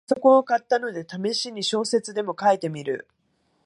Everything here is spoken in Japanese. パソコンを買ったので、ためしに小説でも書いてみる